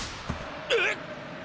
えっ！